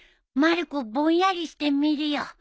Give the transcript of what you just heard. まる子ぼんやりしてみるよ。